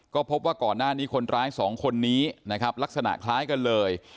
ก็พบว่าก่อนหน้านี้คนร้ายสองคนนี้นะครับลักษณะคล้ายกันเลย